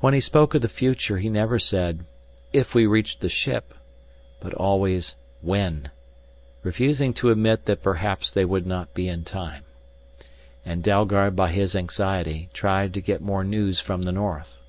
When he spoke of the future, he never said "if we reach the ship" but always "when," refusing to admit that perhaps they would not be in time. And Dalgard by his anxiety, tried to get more news from the north.